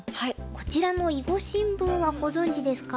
こちらの囲碁新聞はご存じですか？